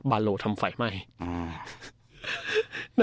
บาโรทำไฟไหม้